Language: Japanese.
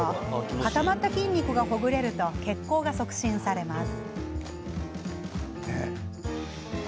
固まった筋肉がほぐれると血行が促進されます。